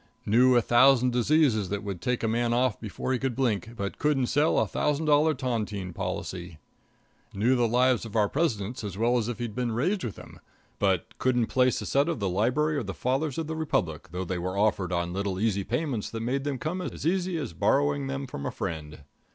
knew a thousand diseases that would take a man off before he could blink, but couldn't sell a thousand dollar tontine policy; knew the lives of our Presidents as well as if he'd been raised with them, but couldn't place a set of the Library of the Fathers of the Republic, though they were offered on little easy payments that made them come as easy as borrowing them from a friend.